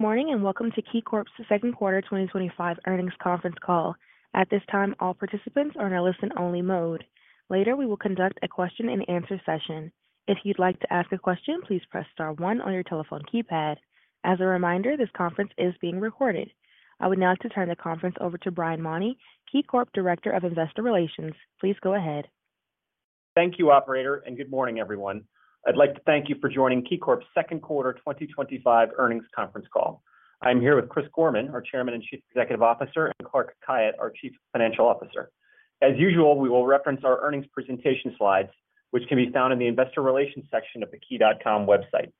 Good morning and welcome to KeyCorp's second quarter 2025 earnings conference call. At this time, all participants are in a listen-only mode. Later, we will conduct a question-and-answer session. If you'd like to ask a question, please press star one on your telephone keypad. As a reminder, this conference is being recorded. I would now like to turn the conference over to Brian Mauney, KeyCorp Director of Investor Relations. Please go ahead. Thank you, operator, and good morning, everyone. I'd like to thank you for joining KeyCorp's second quarter 2025 earnings conference call. I am here with Chris Gorman, our Chairman and Chief Executive Officer, and Clark Khayat, our Chief Financial Officer. As usual, we will reference our earnings presentation slides, which can be found in the investor relations section of the key.com website.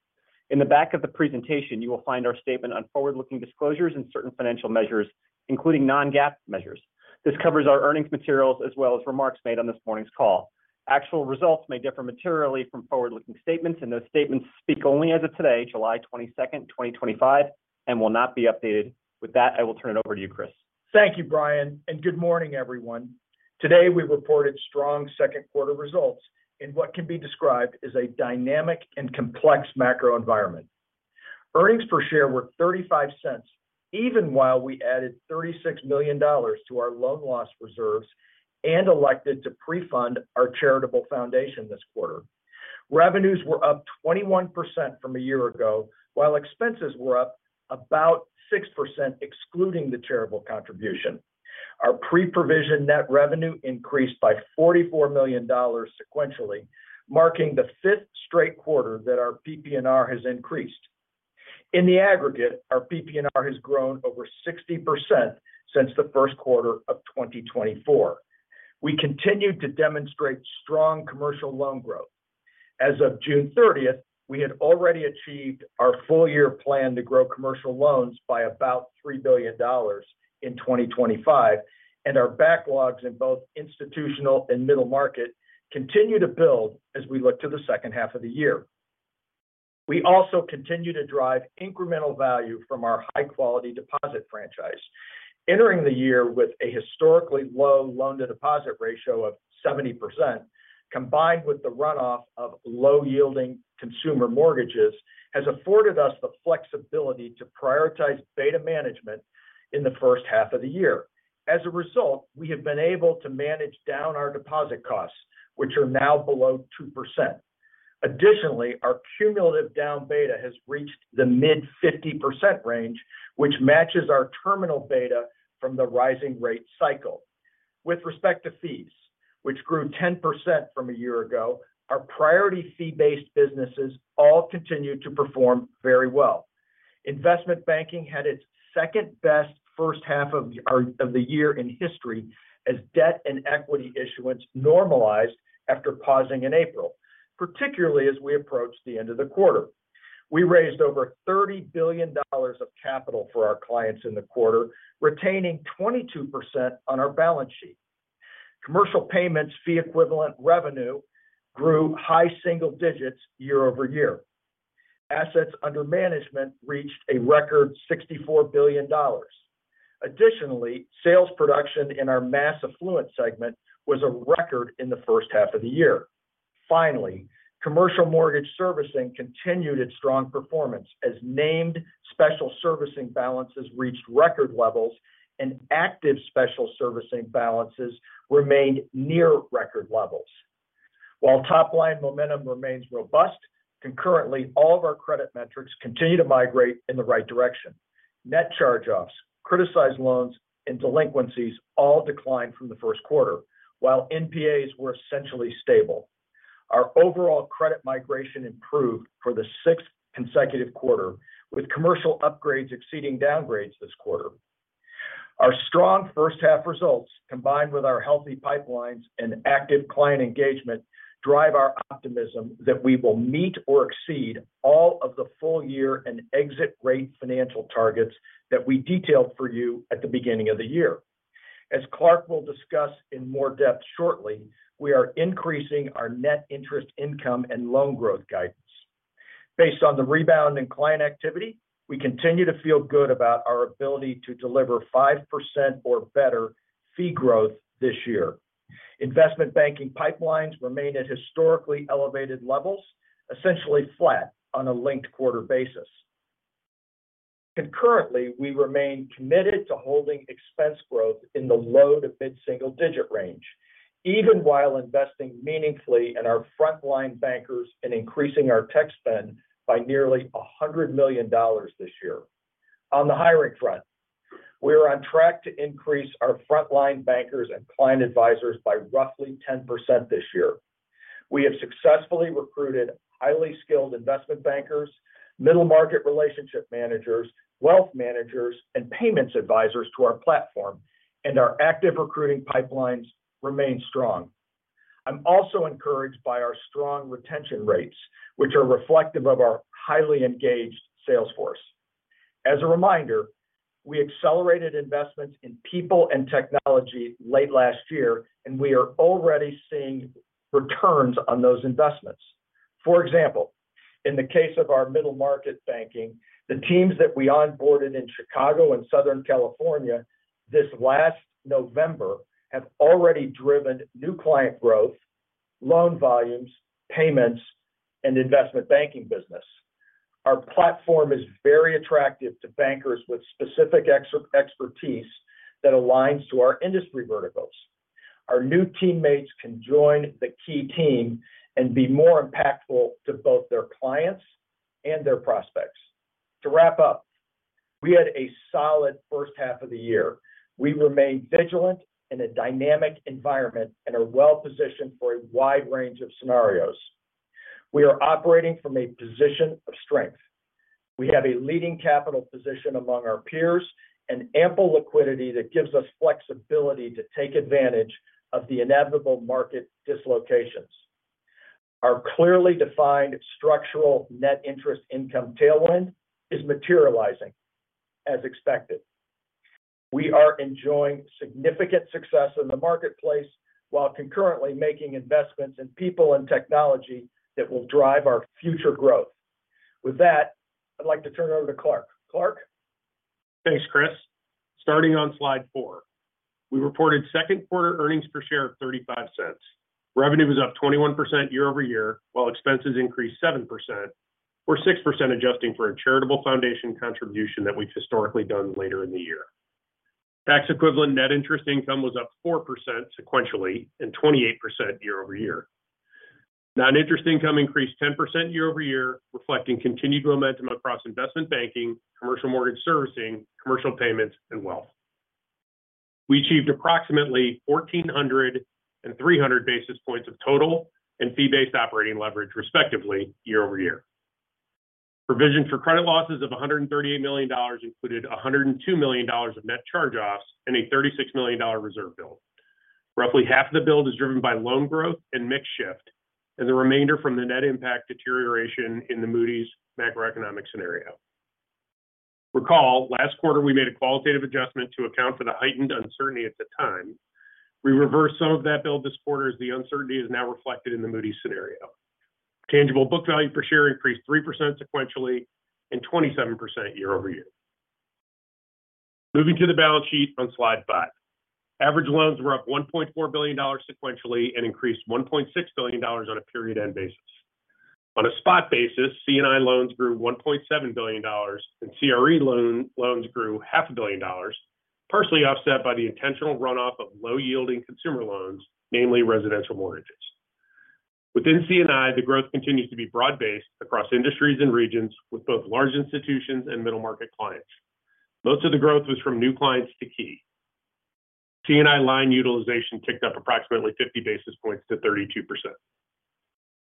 In the back of the presentation, you will find our statement on forward-looking disclosures and certain financial measures, including non-GAAP measures. This covers our earnings materials as well as remarks made on this morning's call. Actual results may differ materially from forward-looking statements, and those statements speak only as of today, July 22, 2025, and will not be updated. With that, I will turn it over to you, Chris. Thank you, Brian, and good morning, everyone. Today, we reported strong second quarter results in what can be described as a dynamic and complex macro environment. Earnings per share were $0.35 even while we added $36 million to our loan loss reserves and elected to pre-fund our charitable foundation this quarter. Revenues were up 21% from a year ago, while expenses were up about 6% excluding the charitable contribution. Our pre-provision net revenue increased by $44 million sequentially, marking the fifth straight quarter that our PP&R has increased. In the aggregate, our PP&R has grown over 60% since the first quarter of 2024. We continued to demonstrate strong commercial loan growth. As of June 30th, we had already achieved our full-year plan to grow commercial loans by about $3 billion in 2025, and our backlogs in both institutional and middle market continue to build as we look to the second half of the year. We also continue to drive incremental value from our high-quality deposit franchise. Entering the year with a historically low loan-to-deposit ratio of 70%, combined with the runoff of low-yielding consumer mortgages, has afforded us the flexibility to prioritize beta management in the first half of the year. As a result, we have been able to manage down our deposit costs, which are now below 2%. Additionally, our cumulative down beta has reached the mid-50% range, which matches our terminal beta from the rising rate cycle. With respect to fees, which grew 10% from a year ago, our priority fee-based businesses all continue to perform very well. Investment banking had its second-best first half of the year in history as debt and equity issuance normalized after pausing in April, particularly as we approached the end of the quarter. We raised over $30 billion of capital for our clients in the quarter, retaining 22% on our balance sheet. Commercial payments fee-equivalent revenue grew high single digits year-over-year. Assets under management reached a record $64 billion. Additionally, sales production in our mass affluence segment was a record in the first half of the year. Finally, commercial mortgage servicing continued its strong performance as named special servicing balances reached record levels and active special servicing balances remained near record levels. While top-line momentum remains robust, concurrently, all of our credit metrics continue to migrate in the right direction. Net charge-offs, criticized loans, and delinquencies all declined from the first quarter, while NPAs were essentially stable. Our overall credit migration improved for the sixth consecutive quarter, with commercial upgrades exceeding downgrades this quarter. Our strong first-half results, combined with our healthy pipelines and active client engagement, drive our optimism that we will meet or exceed all of the full-year and exit-rate financial targets that we detailed for you at the beginning of the year. As Clark will discuss in more depth shortly, we are increasing our net interest income and loan growth guidance. Based on the rebound in client activity, we continue to feel good about our ability to deliver 5% or better fee growth this year. Investment banking pipelines remain at historically elevated levels, essentially flat on a linked quarter basis. Concurrently, we remain committed to holding expense growth in the low to mid-single-digit range, even while investing meaningfully in our front-line bankers and increasing our tech spend by nearly $100 million this year. On the hiring front, we are on track to increase our front-line bankers and client advisors by roughly 10% this year. We have successfully recruited highly skilled investment bankers, middle market relationship managers, wealth managers, and payments advisors to our platform, and our active recruiting pipelines remain strong. I'm also encouraged by our strong retention rates, which are reflective of our highly engaged sales force. As a reminder, we accelerated investments in people and technology late last year, and we are already seeing returns on those investments. For example, in the case of our middle market banking, the teams that we onboarded in Chicago and Southern California this last November have already driven new client growth, loan volumes, payments, and investment banking business. Our platform is very attractive to bankers with specific expertise that aligns to our industry verticals. Our new teammates can join the key team and be more impactful to both their clients and their prospects. To wrap up, we had a solid first half of the year. We remain vigilant in a dynamic environment and are well-positioned for a wide range of scenarios. We are operating from a position of strength. We have a leading capital position among our peers and ample liquidity that gives us flexibility to take advantage of the inevitable market dislocations. Our clearly defined structural net interest income tailwind is materializing as expected. We are enjoying significant success in the marketplace while concurrently making investments in people and technology that will drive our future growth. With that, I'd like to turn it over to Clark. Clark? Thanks, Chris. Starting on slide four, we reported second-quarter earnings per share of $0.35. Revenue was up 21% year-over-year, while expenses increased 7%. We are 6% adjusting for a charitable foundation contribution that we have historically done later in the year. Tax-equivalent net interest income was up 4% sequentially and 28% year-over-year. Net interest income increased 10% year-over-year, reflecting continued momentum across investment banking, commercial mortgage servicing, commercial payments, and wealth. We achieved approximately 1,400 and 300 basis points of total and fee-based operating leverage, respectively, year-over-year. Provision for credit losses of $138 million included $102 million of net charge-offs and a $36 million reserve build. Roughly half of the build is driven by loan growth and mix shift, and the remainder from the net impact deterioration in the Moody’s macroeconomic scenario. Recall, last quarter, we made a qualitative adjustment to account for the heightened uncertainty at the time. We reversed some of that build this quarter as the uncertainty is now reflected in the Moody’s scenario. Tangible book value per share increased 3% sequentially and 27% year-over-year. Moving to the balance sheet on slide five, average loans were up $1.4 billion sequentially and increased $1.6 billion on a period-end basis. On a spot basis, C&I loans grew $1.7 billion and CRE loans grew $500 million, partially offset by the intentional runoff of low-yielding consumer loans, namely residential mortgages. Within C&I, the growth continues to be broad-based across industries and regions with both large institutions and middle market clients. Most of the growth was from new clients to Key. C&I line utilization ticked up approximately 50 basis points to 32%.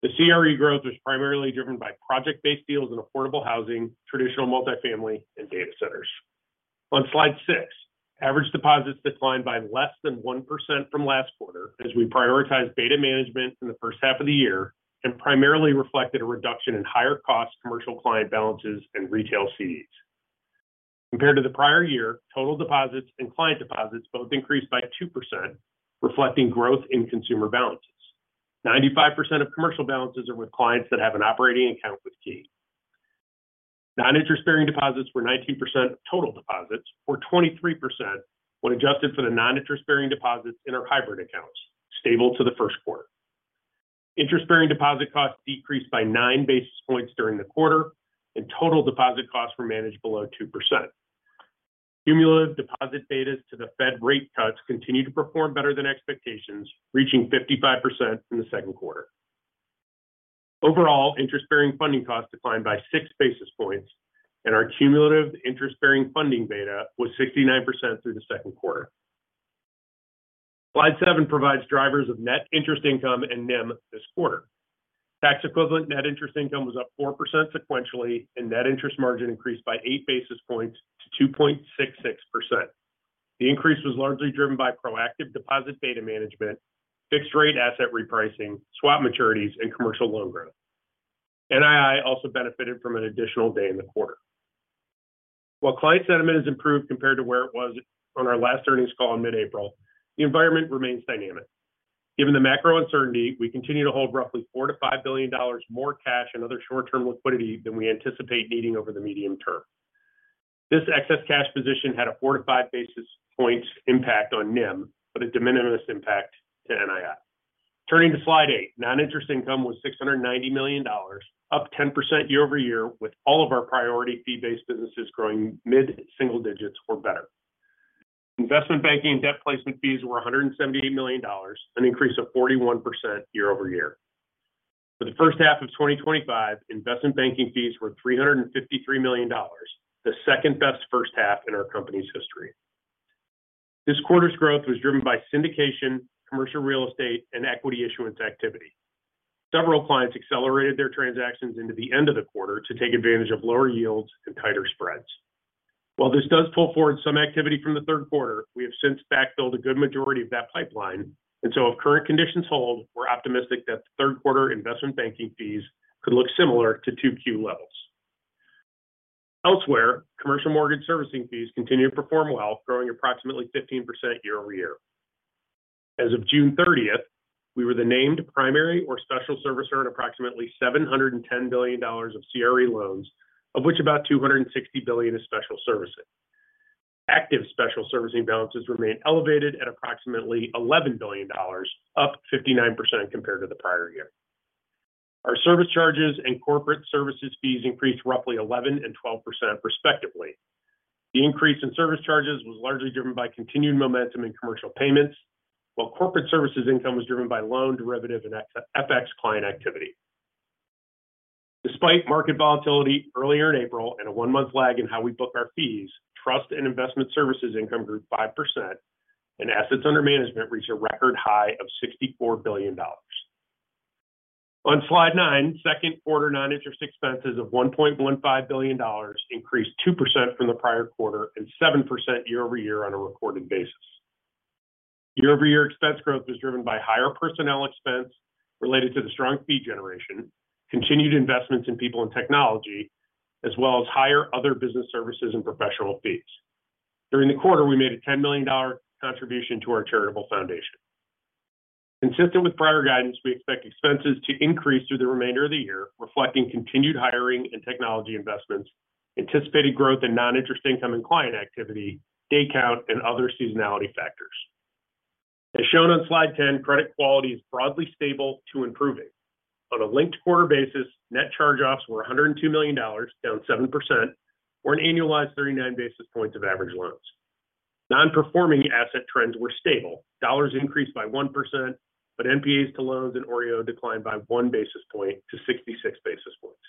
The CRE growth was primarily driven by project-based deals in affordable housing, traditional multifamily, and data centers. On slide six, average deposits declined by less than 1% from last quarter as we prioritized beta management in the first half of the year and primarily reflected a reduction in higher-cost commercial client balances and retail CDs. Compared to the prior year, total deposits and client deposits both increased by 2%, reflecting growth in consumer balances. 95% of commercial balances are with clients that have an operating account with Key. Non-interest-bearing deposits were 19% of total deposits, or 23% when adjusted for the non-interest-bearing deposits in our hybrid accounts, stable to the first quarter. Interest-bearing deposit costs decreased by nine basis points during the quarter, and total deposit costs were managed below 2%. Cumulative deposit betas to the Fed rate cuts continue to perform better than expectations, reaching 55% in the second quarter. Overall, interest-bearing funding costs declined by six basis points, and our cumulative interest-bearing funding beta was 69% through the second quarter. Slide seven provides drivers of net interest income and NIM this quarter. Tax-equivalent net interest income was up 4% sequentially, and net interest margin increased by eight basis points to 2.66%. The increase was largely driven by proactive deposit beta management, fixed-rate asset repricing, swap maturities, and commercial loan growth. NII also benefited from an additional day in the quarter. While client sentiment has improved compared to where it was on our last earnings call in mid-April, the environment remains dynamic. Given the macro uncertainty, we continue to hold roughly $4 billion-$5 billion more cash and other short-term liquidity than we anticipate needing over the medium term. This excess cash position had a four to five basis points impact on NIM, but a de minimis impact to NII. Turning to slide eight, non-interest income was $690 million, up 10% year-over-year, with all of our priority fee-based businesses growing mid-single digits or better. Investment banking and debt placement fees were $178 million, an increase of 41% year-over-year. For the first half of 2025, investment banking fees were $353 million, the second-best first half in our company's history. This quarter's growth was driven by syndication, commercial real estate, and equity issuance activity. Several clients accelerated their transactions into the end of the quarter to take advantage of lower yields and tighter spreads. While this does pull forward some activity from the third quarter, we have since backfilled a good majority of that pipeline, and if current conditions hold, we're optimistic that the third-quarter investment banking fees could look similar to 2Q levels. Elsewhere, commercial mortgage servicing fees continue to perform well, growing approximately 15% year-over-year. As of June 30th, we were the named primary or special servicer in approximately $710 billion of CRE loans, of which about $260 billion is special servicing. Active special servicing balances remained elevated at approximately $11 billion, up 59% compared to the prior year. Our service charges and corporate services fees increased roughly 11% and 12%, respectively. The increase in service charges was largely driven by continued momentum in commercial payments, while corporate services income was driven by loan, derivative, and FX client activity. Despite market volatility earlier in April and a one-month lag in how we book our fees, trust and investment services income grew 5%, and assets under management reached a record high of $64 billion. On slide nine, second-quarter non-interest expenses of $1.15 billion increased 2% from the prior quarter and 7% year-over-year on a recorded basis. Year-over-year expense growth was driven by higher personnel expense related to the strong fee generation, continued investments in people and technology, as well as higher other business services and professional fees. During the quarter, we made a $10 million contribution to our charitable foundation. Consistent with prior guidance, we expect expenses to increase through the remainder of the year, reflecting continued hiring and technology investments, anticipated growth in non-interest income and client activity, day count, and other seasonality factors. As shown on slide 10, credit quality is broadly stable to improving. On a linked quarter basis, net charge-offs were $102 million, down 7%, or an annualized 39 basis points of average loans. Non-performing asset trends were stable. Dollars increased by 1%, but NPAs to loans and OREO declined by one basis point to 66 basis points.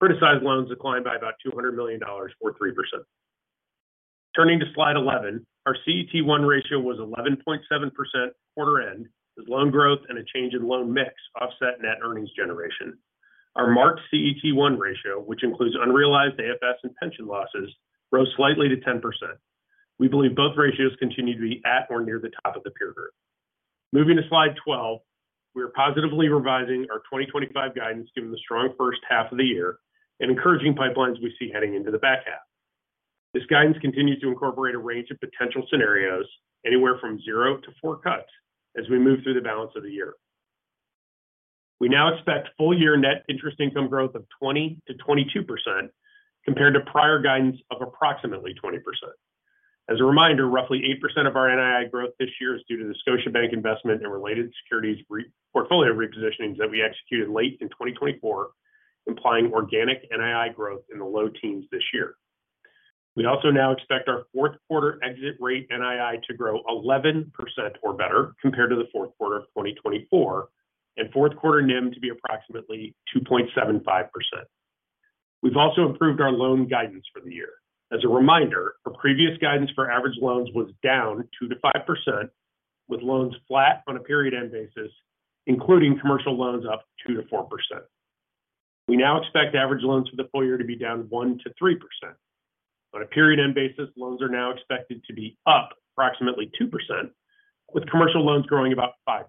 Credit-sized loans declined by about $200 million or 3%. Turning to slide 11, our CET1 ratio was 11.7% quarter-end as loan growth and a change in loan mix offset net earnings generation. Our marked CET1 ratio, which includes unrealized AFS and pension losses, rose slightly to 10%. We believe both ratios continue to be at or near the top of the peer group. Moving to slide 12, we are positively revising our 2025 guidance given the strong first half of the year and encouraging pipelines we see heading into the back half. This guidance continues to incorporate a range of potential scenarios anywhere from zero to four cuts as we move through the balance of the year. We now expect full-year net interest income growth of 20%-22% compared to prior guidance of approximately 20%. As a reminder, roughly 8% of our NII growth this year is due to the Scotiabank investment and related securities portfolio repositionings that we executed late in 2024, implying organic NII growth in the low teens this year. We also now expect our fourth-quarter exit rate NII to grow 11% or better compared to the fourth quarter of 2024 and fourth-quarter NIM to be approximately 2.75%. We've also improved our loan guidance for the year. As a reminder, our previous guidance for average loans was down 2%-5%, with loans flat on a period-end basis, including commercial loans up 2%-4%. We now expect average loans for the full year to be down 1%-3%. On a period-end basis, loans are now expected to be up approximately 2%, with commercial loans growing about 5%.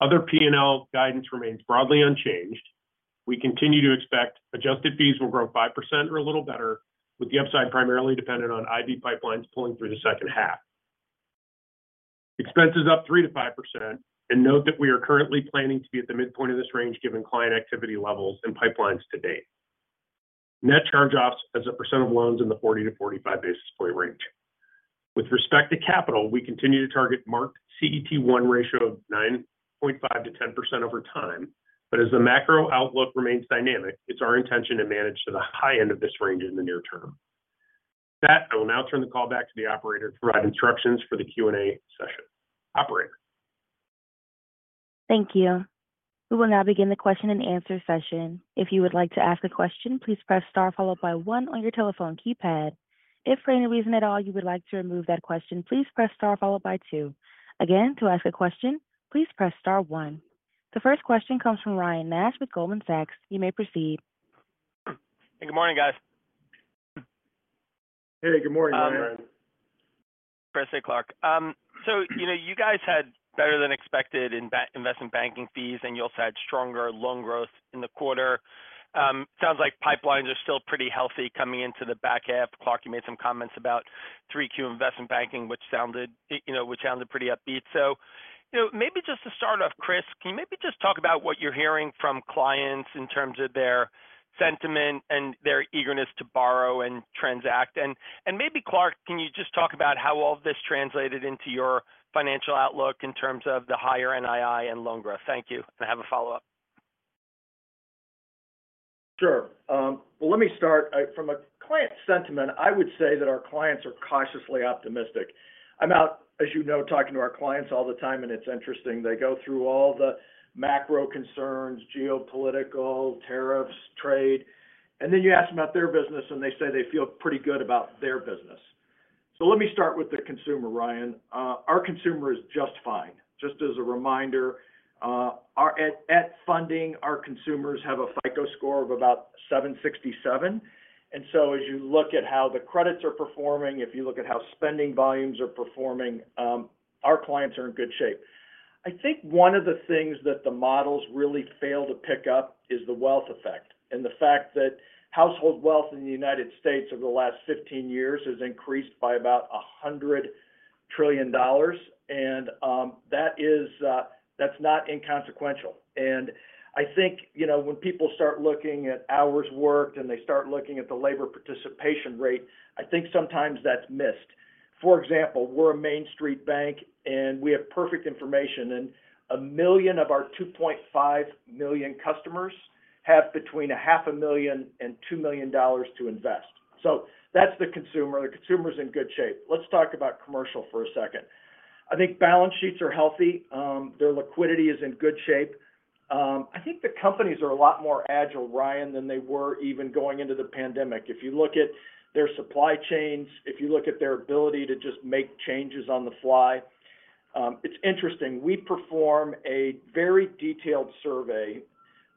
Other P&L guidance remains broadly unchanged. We continue to expect adjusted fees will grow 5% or a little better, with the upside primarily dependent on IB pipelines pulling through the second half. Expenses up 3%-5%, and note that we are currently planning to be at the midpoint of this range given client activity levels and pipelines to date. Net charge-offs as a percent of loans in the 40-45 basis point range. With respect to capital, we continue to target marked CET1 ratio of 9.5%-10% over time, but as the macro outlook remains dynamic, it's our intention to manage to the high end of this range in the near term. With that, I will now turn the call back to the operator to provide instructions for the Q&A session. Operator. Thank you. We will now begin the question-and-answer session. If you would like to ask a question, please press star followed by one on your telephone keypad. If for any reason at all you would like to remove that question, please press star followed by two. Again, to ask a question, please press star one. The first question comes from Ryan Nash with Goldman Sachs. You may proceed. Hey, good morning, guys. Hey, good morning, Ryan. Hi, Ryan. Chris and Clark. You guys had better than expected investment banking fees, and you also had stronger loan growth in the quarter. It sounds like pipelines are still pretty healthy coming into the back half. Clark, you made some comments about 3Q investment banking, which sounded pretty upbeat. Maybe just to start off, Chris, can you talk about what you're hearing from clients in terms of their sentiment and their eagerness to borrow and transact? Maybe, Clark, can you talk about how all of this translated into your financial outlook in terms of the higher NII and loan growth? Thank you. I have a follow-up. Sure. Let me start. From a client sentiment, I would say that our clients are cautiously optimistic. I'm out, as you know, talking to our clients all the time, and it's interesting. They go through all the macro concerns, geopolitical, tariffs, trade, and then you ask them about their business, and they say they feel pretty good about their business. Let me start with the consumer, Ryan. Our consumer is just fine. Just as a reminder. At funding, our consumers have a FICO score of about 767. As you look at how the credits are performing, if you look at how spending volumes are performing, our clients are in good shape. I think one of the things that the models really fail to pick up is the wealth effect and the fact that household wealth in the United States over the last 15 years has increased by about $100 trillion. That's not inconsequential. I think when people start looking at hours worked and they start looking at the labor participation rate, I think sometimes that's missed. For example, we're a Main Street bank, and we have perfect information. A million of our 2.5 million customers have between $500,000 and $2 million to invest. That's the consumer. The consumer is in good shape. Let's talk about commercial for a second. I think balance sheets are healthy. Their liquidity is in good shape. I think the companies are a lot more agile, Ryan, than they were even going into the pandemic. If you look at their supply chains, if you look at their ability to just make changes on the fly. It's interesting. We perform a very detailed survey.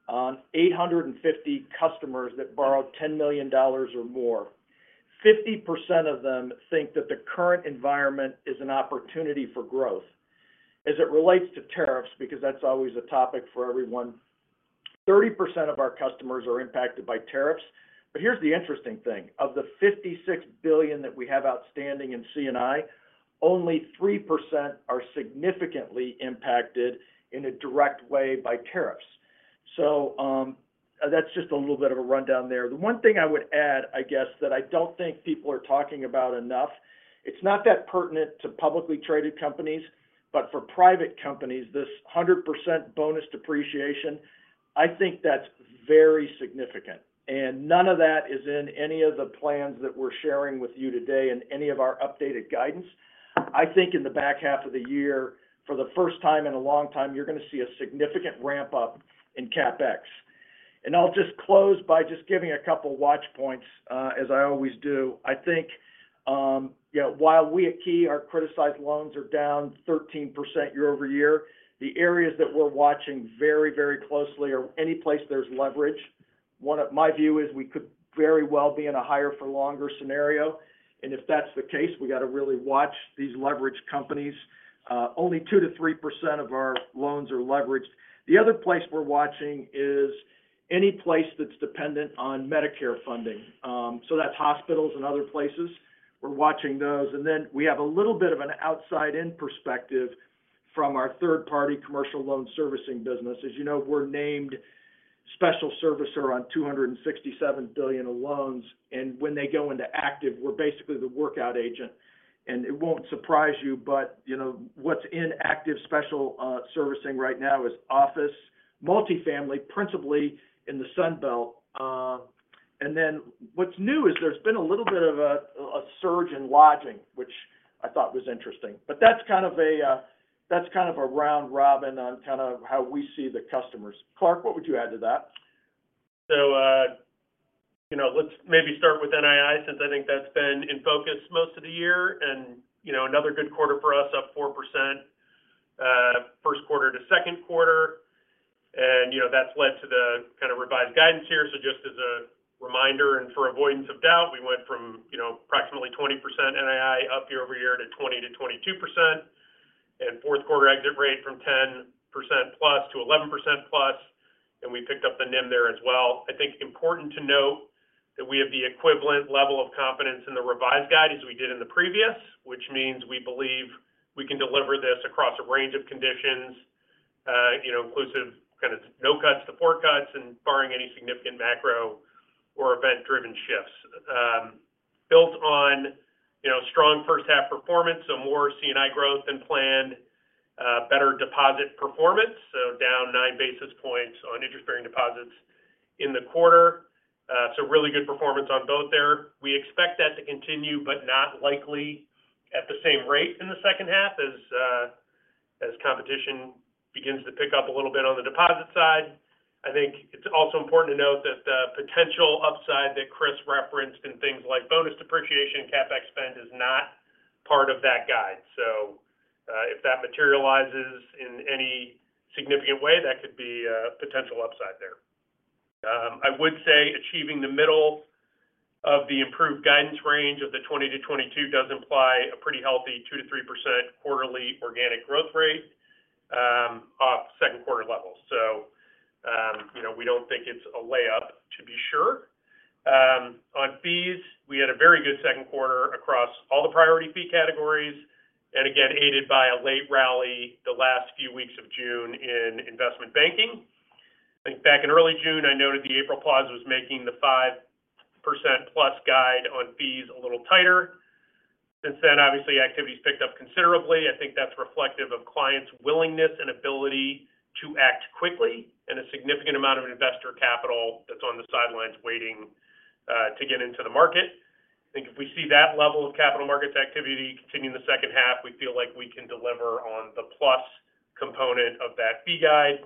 On 850 customers that borrowed $10 million or more, 50% of them think that the current environment is an opportunity for growth as it relates to tariffs, because that's always a topic for everyone. 30% of our customers are impacted by tariffs. Here's the interesting thing. Of the $56 billion that we have outstanding in C&I, only 3% are significantly impacted in a direct way by tariffs. That's just a little bit of a rundown there. The one thing I would add, I guess, that I don't think people are talking about enough, it's not that pertinent to publicly traded companies, but for private companies, this 100% bonus depreciation, I think that's very significant. None of that is in any of the plans that we're sharing with you today in any of our updated guidance. I think in the back half of the year, for the first time in a long time, you're going to see a significant ramp up in CapEx. I'll just close by just giving a couple of watch points, as I always do. I think. While we at Key are criticized, loans are down 13% year-over-year, the areas that we're watching very, very closely are any place there's leverage. My view is we could very well be in a higher-for-longer scenario. If that's the case, we got to really watch these leveraged companies. Only 2%-3% of our loans are leveraged. The other place we're watching is any place that's dependent on Medicare funding. That's hospitals and other places. We're watching those. We have a little bit of an outside-in perspective from our third-party commercial loan servicing business. As you know, we're named special servicer on $267 billion of loans. When they go into active, we're basically the workout agent. It won't surprise you, but what's in active special servicing right now is office, multifamily, principally in the Sunbelt. What's new is there's been a little bit of a surge in lodging, which I thought was interesting. That's kind of a round-robin on how we see the customers. Clark, what would you add to that? Let's maybe start with NII, since I think that's been in focus most of the year. Another good quarter for us, up 4% first quarter to second quarter. That's led to the kind of revised guidance here. Just as a reminder, and for avoidance of doubt, we went from approximately 20% NII up year-over-year to 20%-22%. Fourth-quarter exit rate from 10% plus to 11% plus. We picked up the NIM there as well. I think it's important to note that we have the equivalent level of confidence in the revised guide as we did in the previous, which means we believe we can deliver this across a range of conditions, inclusive of kind of no cuts, support cuts, and barring any significant macro or event-driven shifts. Built on strong first-half performance, more C&I growth than planned, better deposit performance, so down nine basis points on interest-bearing deposits in the quarter. Really good performance on both there. We expect that to continue, but not likely at the same rate in the second half as competition begins to pick up a little bit on the deposit side. I think it's also important to note that the potential upside that Chris referenced in things like bonus depreciation and CapEx spend is not part of that guide. If that materializes in any significant way, that could be a potential upside there. I would say achieving the middle of the improved guidance range of the 20%-22% does imply a pretty healthy 2%-3% quarterly organic growth rate off second-quarter levels. We don't think it's a layup to be sure. On fees, we had a very good second quarter across all the priority fee categories, and again, aided by a late rally the last few weeks of June in investment banking. I think back in early June, I noted the April pause was making the 5% plus guide on fees a little tighter. Since then, obviously, activities picked up considerably. I think that's reflective of clients' willingness and ability to act quickly and a significant amount of investor capital that's on the sidelines waiting to get into the market. I think if we see that level of capital markets activity continuing in the second half, we feel like we can deliver on the plus component of that fee guide.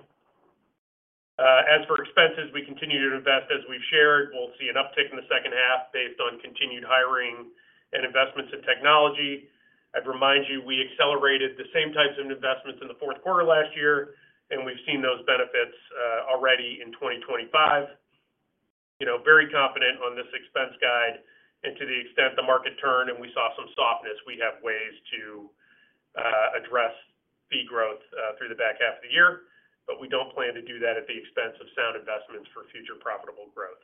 As for expenses, we continue to invest, as we've shared. We'll see an uptick in the second half based on continued hiring and investments in technology. I'd remind you, we accelerated the same types of investments in the fourth quarter last year, and we've seen those benefits already in 2025. Very confident on this expense guide and to the extent the market turned and we saw some softness, we have ways to address fee growth through the back half of the year, but we don't plan to do that at the expense of sound investments for future profitable growth.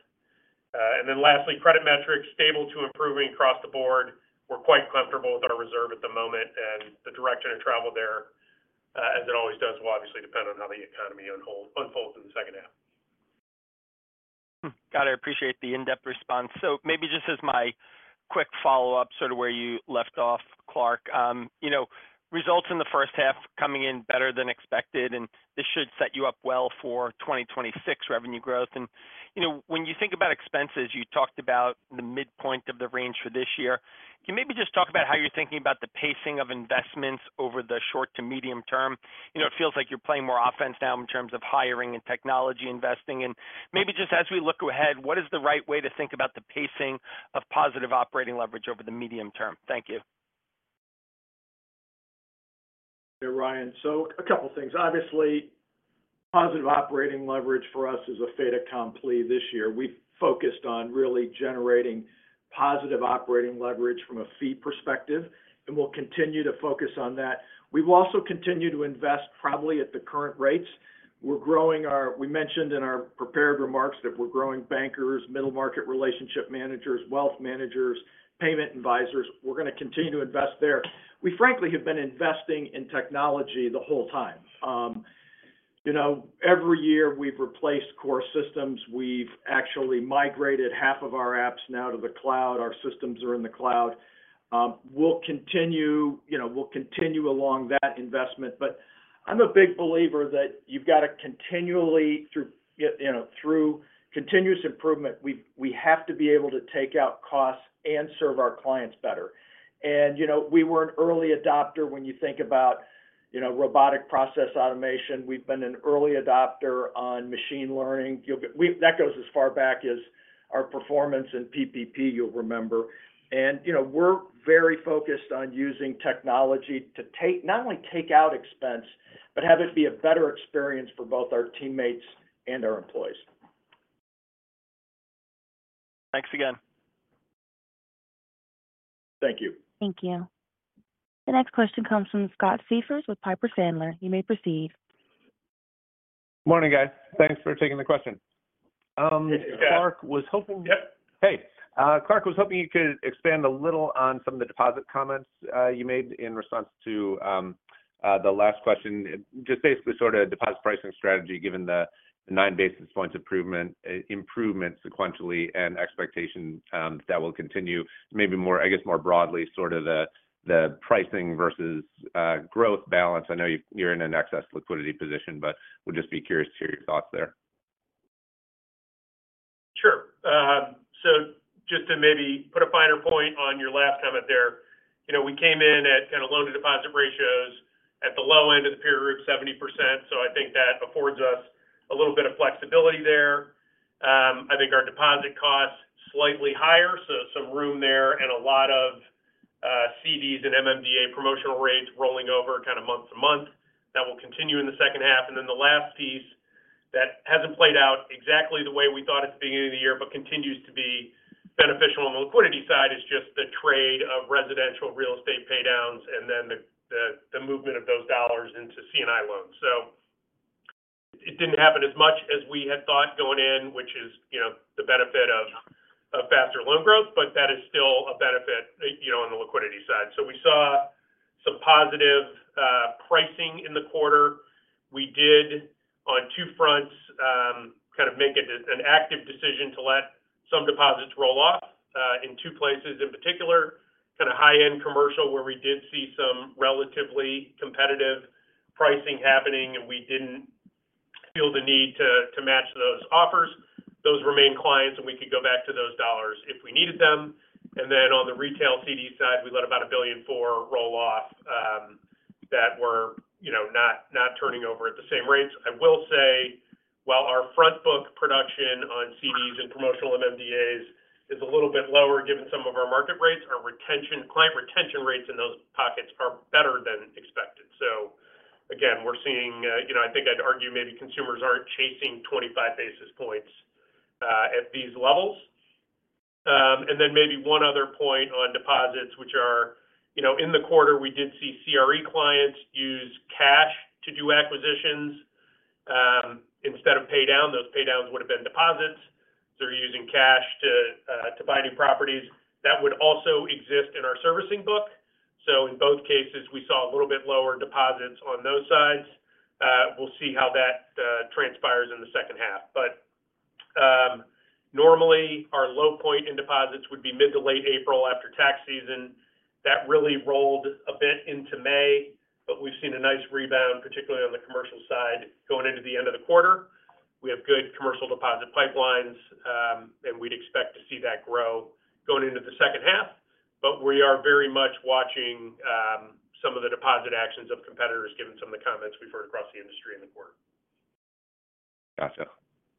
Lastly, credit metrics stable to improving across the board. We're quite comfortable with our reserve at the moment, and the direction of travel there, as it always does, will obviously depend on how the economy unfolds in the second half. Got it. Appreciate the in-depth response. Maybe just as my quick follow-up, sort of where you left off, Clark. Results in the first half coming in better than expected, and this should set you up well for 2026 revenue growth. When you think about expenses, you talked about the midpoint of the range for this year. Can you maybe just talk about how you're thinking about the pacing of investments over the short to medium term? It feels like you're playing more offense now in terms of hiring and technology investing. Maybe just as we look ahead, what is the right way to think about the pacing of positive operating leverage over the medium term? Thank you. Hey, Ryan. So a couple of things. Obviously. Positive operating leverage for us is a fait accompli this year. We focused on really generating positive operating leverage from a fee perspective, and we'll continue to focus on that. We will also continue to invest probably at the current rates. We mentioned in our prepared remarks that we're growing bankers, middle market relationship managers, wealth managers, payment advisors. We're going to continue to invest there. We, frankly, have been investing in technology the whole time. Every year, we've replaced core systems. We've actually migrated half of our apps now to the cloud. Our systems are in the cloud. We'll continue. Along that investment. I'm a big believer that you've got to continually, through. Continuous improvement, we have to be able to take out costs and serve our clients better. We were an early adopter when you think about. Robotic process automation. We've been an early adopter on machine learning. That goes as far back as our performance in PPP, you'll remember. We're very focused on using technology to not only take out expense, but have it be a better experience for both our teammates and our employees. Thanks again. Thank you. Thank you. The next question comes from Scott Seifers with Piper Sandler. You may proceed. Good morning, guys. Thanks for taking the question. Hey. Clark. Clark, was hoping you could expand a little on some of the deposit comments you made in response to the last question. Just basically sort of deposit pricing strategy, given the nine basis points improvement sequentially and expectation that will continue. Maybe, I guess, more broadly, sort of the pricing versus growth balance. I know you're in an excess liquidity position, but would just be curious to hear your thoughts there. Sure. Just to maybe put a finer point on your last comment there, we came in at kind of loan-to-deposit ratios at the low end of the peer group, 70%. I think that affords us a little bit of flexibility there. I think our deposit costs are slightly higher, so some room there and a lot of CDs and MMDA promotional rates rolling over kind of month to month. That will continue in the second half. The last piece that hasn't played out exactly the way we thought at the beginning of the year, but continues to be beneficial on the liquidity side, is just the trade of residential real estate paydowns and then the movement of those dollars into C&I loans. It didn't happen as much as we had thought going in, which is the benefit of faster loan growth, but that is still a benefit on the liquidity side. We saw some positive pricing in the quarter. We did, on two fronts, kind of make an active decision to let some deposits roll off in two places in particular, kind of high-end commercial, where we did see some relatively competitive pricing happening, and we didn't feel the need to match those offers. Those remained clients, and we could go back to those dollars if we needed them. On the retail CD side, we let about $1.4 billion roll off that were not turning over at the same rates. I will say, while our front-book production on CDs and promotional MMDAs is a little bit lower given some of our market rates, our client retention rates in those pockets are better than expected. Again, we're seeing, I think I'd argue maybe consumers aren't chasing 25 basis points at these levels. Maybe one other point on deposits, which are in the quarter, we did see CRE clients use cash to do acquisitions instead of paydown. Those paydowns would have been deposits. They're using cash to buy new properties. That would also exist in our servicing book. In both cases, we saw a little bit lower deposits on those sides. We'll see how that transpires in the second half. Normally, our low point in deposits would be mid to late April after tax season. That really rolled a bit into May, but we've seen a nice rebound, particularly on the commercial side, going into the end of the quarter. We have good commercial deposit pipelines, and we'd expect to see that grow going into the second half. We are very much watching some of the deposit actions of competitors given some of the comments we've heard across the industry in the quarter. Gotcha.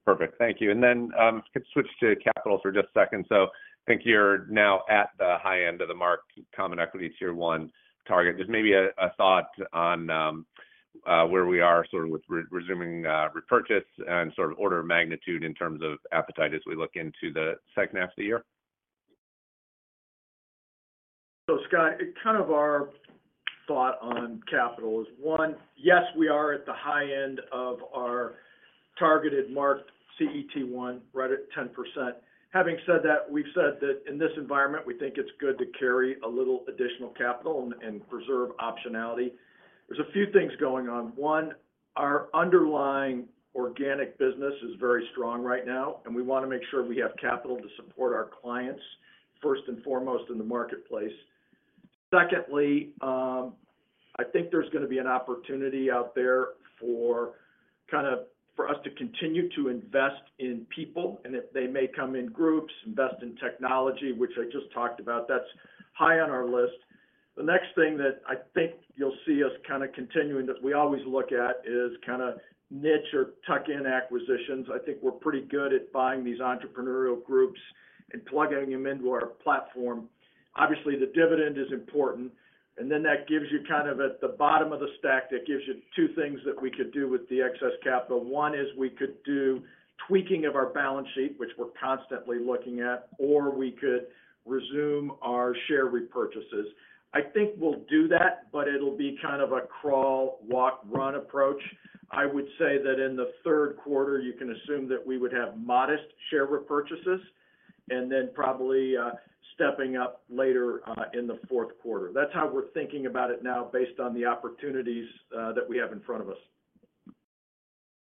Perfect. Thank you. I could switch to capital for just a second. I think you're now at the high end of the marked common equity tier one target. Just maybe a thought on where we are sort of with resuming repurchase and sort of order of magnitude in terms of appetite as we look into the second half of the year. Scott, kind of our thought on capital is one, yes, we are at the high end of our targeted marked CET1, right at 10%. Having said that, we've said that in this environment, we think it's good to carry a little additional capital and preserve optionality. There's a few things going on. One, our underlying organic business is very strong right now, and we want to make sure we have capital to support our clients first and foremost in the marketplace. Secondly, I think there's going to be an opportunity out there for us to continue to invest in people, and they may come in groups, invest in technology, which I just talked about. That's high on our list. The next thing that I think you'll see us kind of continuing that we always look at is kind of niche or tuck-in acquisitions. I think we're pretty good at buying these entrepreneurial groups and plugging them into our platform. Obviously, the dividend is important. That gives you, kind of at the bottom of the stack, two things that we could do with the excess capital. One is we could do tweaking of our balance sheet, which we're constantly looking at, or we could resume our share repurchases. I think we'll do that, but it'll be kind of a crawl, walk, run approach. I would say that in the third quarter, you can assume that we would have modest share repurchases and then probably stepping up later in the fourth quarter. That's how we're thinking about it now based on the opportunities that we have in front of us.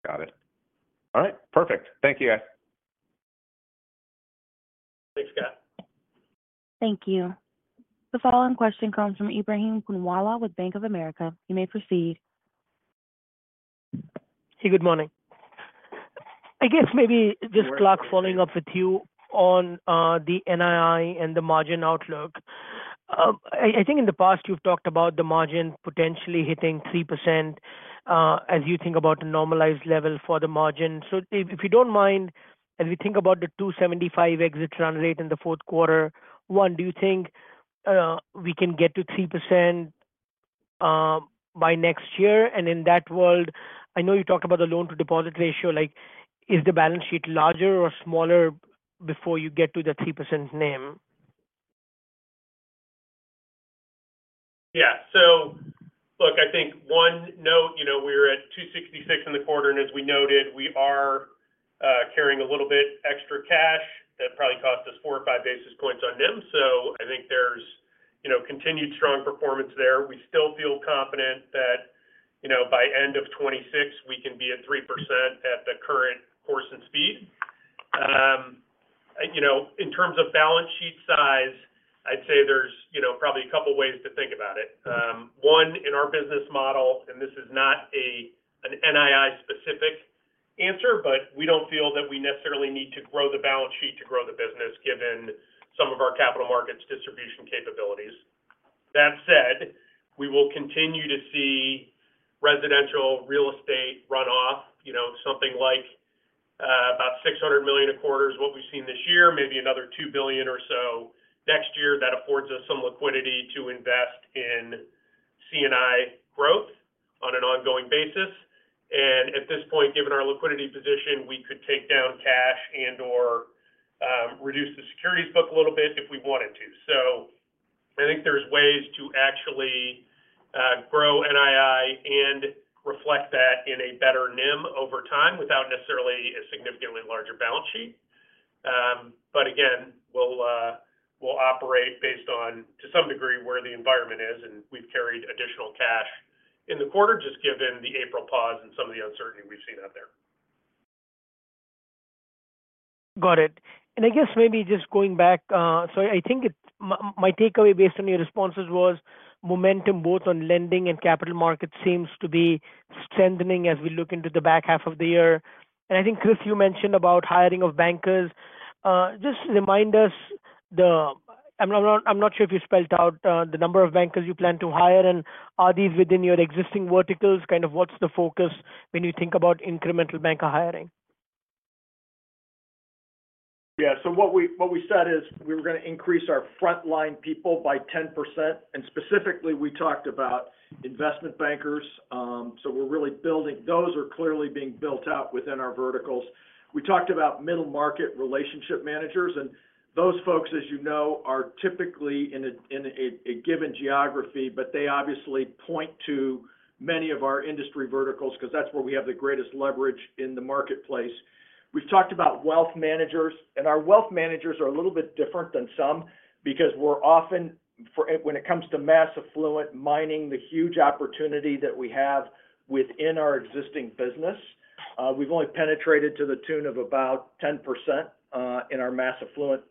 Got it. All right. Perfect. Thank you, guys. Thanks, Scott. Thank you. The following question comes from Ebrahim Poonawala with Bank of America. You may proceed. Hey, good morning. I guess maybe just Clark, following up with you on the NII and the margin outlook. I think in the past, you've talked about the margin potentially hitting 3%. As you think about a normalized level for the margin, if you don't mind, as we think about the 2.75% exit run rate in the fourth quarter, one, do you think we can get to 3% by next year? In that world, I know you talked about the loan-to-deposit ratio. Is the balance sheet larger or smaller before you get to the 3% NIM? Yeah. So look, I think one note, we were at 266 in the quarter. And as we noted, we are carrying a little bit extra cash that probably cost us four or five basis points on NIM. I think there's continued strong performance there. We still feel confident that by end of 2026, we can be at 3% at the current course and speed. In terms of balance sheet size, I'd say there's probably a couple of ways to think about it. One, in our business model, and this is not an NII-specific answer, but we do not feel that we necessarily need to grow the balance sheet to grow the business given some of our capital markets' distribution capabilities. That said, we will continue to see residential real estate run off, something like about $600 million a quarter is what we've seen this year, maybe another $2 billion or so next year. That affords us some liquidity to invest in C&I growth on an ongoing basis. At this point, given our liquidity position, we could take down cash and/or reduce the securities book a little bit if we wanted to. I think there's ways to actually grow NII and reflect that in a better NIM over time without necessarily a significantly larger balance sheet. Again, we'll operate based on, to some degree, where the environment is, and we've carried additional cash in the quarter just given the April pause and some of the uncertainty we've seen out there. Got it. I guess maybe just going back, I think my takeaway based on your responses was momentum both on lending and capital markets seems to be strengthening as we look into the back half of the year. I think, Chris, you mentioned about hiring of bankers. Just remind us. I'm not sure if you spelled out the number of bankers you plan to hire, and are these within your existing verticals? Kind of what's the focus when you think about incremental banker hiring? Yeah. What we said is we were going to increase our frontline people by 10%. Specifically, we talked about investment bankers. We are really building—those are clearly being built out within our verticals. We talked about middle market relationship managers. Those folks, as you know, are typically in a given geography, but they obviously point to many of our industry verticals because that is where we have the greatest leverage in the marketplace. We have talked about wealth managers. Our wealth managers are a little bit different than some because we are often, when it comes to mass affluent, mining the huge opportunity that we have within our existing business. We have only penetrated to the tune of about 10% in our mass affluent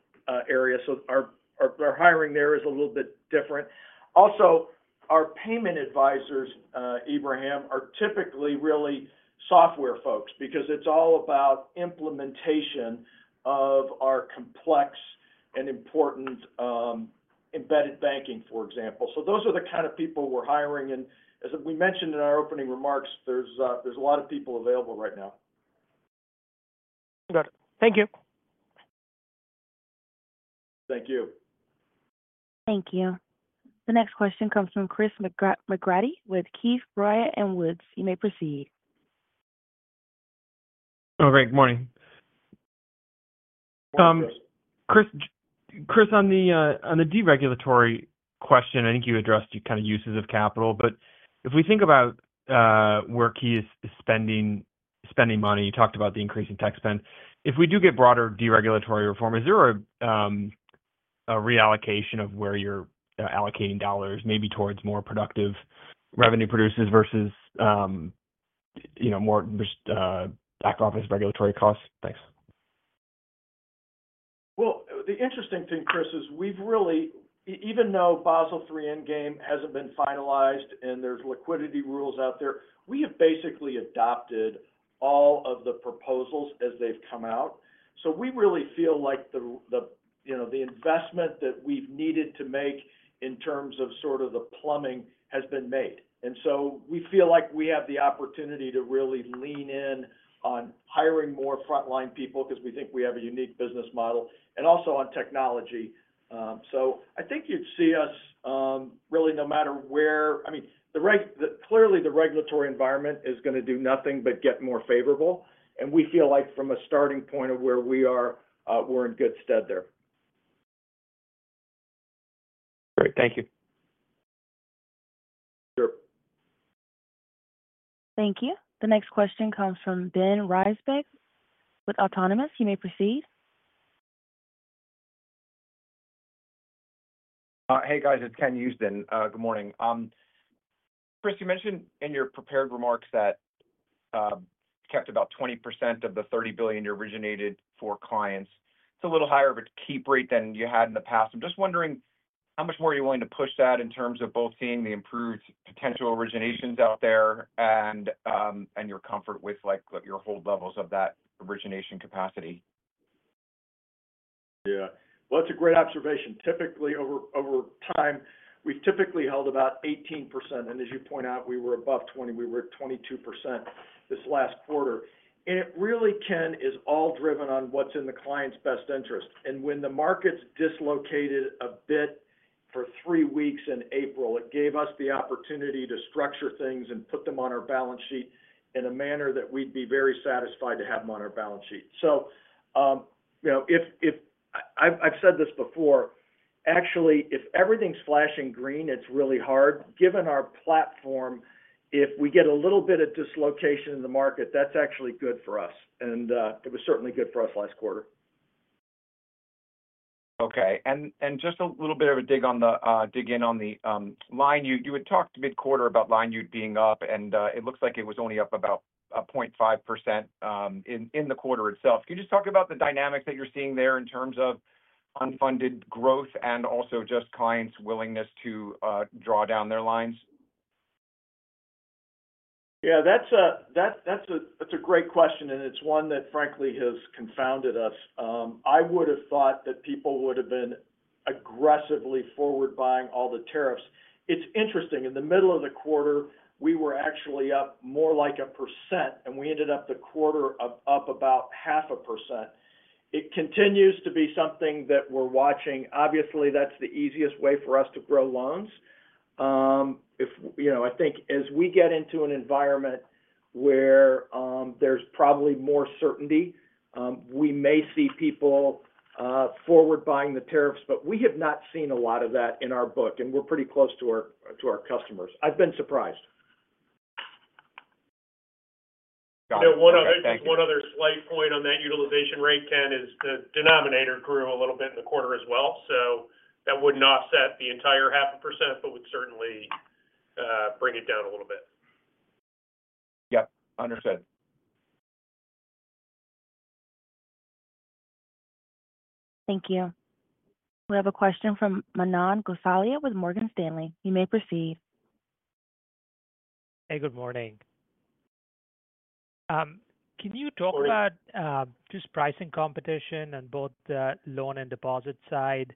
area. Our hiring there is a little bit different. Also, our payment advisors, Ebrahim, are typically really software folks because it is all about implementation of our complex and important embedded banking, for example. Those are the kind of people we are hiring. As we mentioned in our opening remarks, there are a lot of people available right now. Got it. Thank you. Thank you. Thank you. The next question comes from Chris McGratty with Keefe Bruyette & Woods. You may proceed. All right. Good morning. Good morning, Chris. Chris, on the deregulatory question, I think you addressed your kind of uses of capital. If we think about where Key is spending money, you talked about the increase in tech spend. If we do get broader deregulatory reform, is there a reallocation of where you're allocating dollars maybe towards more productive revenue producers versus more back-office regulatory costs? Thanks. The interesting thing, Chris, is we've really, even though Basel III endgame hasn't been finalized and there are liquidity rules out there, we have basically adopted all of the proposals as they've come out. We really feel like the investment that we've needed to make in terms of sort of the plumbing has been made. We feel like we have the opportunity to really lean in on hiring more frontline people because we think we have a unique business model and also on technology. I think you'd see us really no matter where, I mean, clearly, the regulatory environment is going to do nothing but get more favorable. We feel like from a starting point of where we are, we're in good stead there. Great. Thank you. Sure. Thank you. The next question comes from Ben Raisbeck with Autonomous. You may proceed. Hey, guys. It's Ken Usdin. Good morning. Chris, you mentioned in your prepared remarks that you kept about 20% of the $30 billion you originated for clients. It's a little higher of a keep rate than you had in the past. I'm just wondering how much more are you willing to push that in terms of both seeing the improved potential originations out there and your comfort with your hold levels of that origination capacity? Yeah. That is a great observation. Typically, over time, we have typically held about 18%. As you point out, we were above 20%. We were at 22% this last quarter. It really, Ken, is all driven on what is in the client's best interest. When the markets dislocated a bit for three weeks in April, it gave us the opportunity to structure things and put them on our balance sheet in a manner that we would be very satisfied to have them on our balance sheet. I have said this before, actually, if everything is flashing green, it is really hard. Given our platform, if we get a little bit of dislocation in the market, that is actually good for us. It was certainly good for us last quarter. Okay. Just a little bit of a dig in on the line. You had talked mid-quarter about line yield being up, and it looks like it was only up about 0.5% in the quarter itself. Can you just talk about the dynamics that you're seeing there in terms of unfunded growth and also just clients' willingness to draw down their lines? Yeah. That's a great question, and it's one that, frankly, has confounded us. I would have thought that people would have been aggressively forward-buying all the tariffs. It's interesting. In the middle of the quarter, we were actually up more like 1%, and we ended up the quarter up about 0.5%. It continues to be something that we're watching. Obviously, that's the easiest way for us to grow loans. I think as we get into an environment where there's probably more certainty, we may see people forward-buying the tariffs, but we have not seen a lot of that in our book, and we're pretty close to our customers. I've been surprised. One other slight point on that utilization rate, Ken, is the denominator grew a little bit in the quarter as well. That would not offset the entire 0.5%, but would certainly bring it down a little bit. Yep. Understood. Thank you. We have a question from Manan Gosalia with Morgan Stanley. You may proceed. Hey, good morning. Can you talk about? Morning. Just pricing competition on both the loan and deposit side?